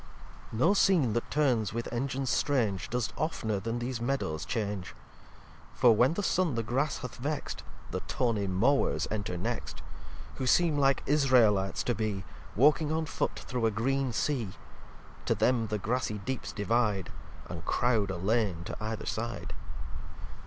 xlix No Scene that turns with Engines strange Does oftner then these Meadows change, For when the Sun the Grass hath vext, The tawny Mowers enter next; Who seem like Israelites to be, Walking on foot through a green Sea. To them the Grassy Deeps divide, And crowd a Lane to either Side.